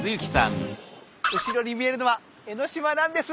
後ろに見えるのは江の島なんです！